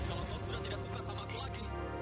kalau kau sudah tidak suka sama aku lagi